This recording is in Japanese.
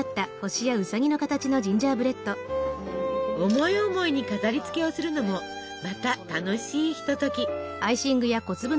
思い思いに飾りつけをするのもまた楽しいひととき。